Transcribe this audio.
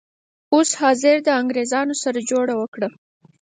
اوس حاضر د انګریزانو سره جوړه وکړه.